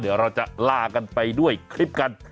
เดี๋ยวเราจะลากันไปด้วยคลิปกัน